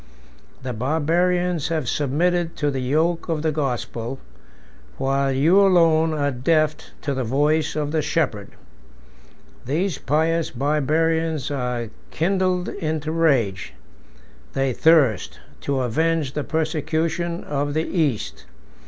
36 The Barbarians have submitted to the yoke of the gospel, while you alone are deaf to the voice of the shepherd. These pious Barbarians are kindled into rage: they thirst to avenge the persecution of the East.